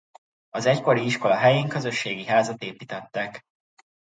Az egykori iskola helyén közösségi házat építettek.